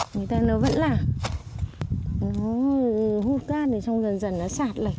người ta nói vẫn là hút cát thì trong lần dần nó sạt lở